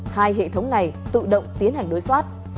hai hệ thống này tự động tiến hành đối soát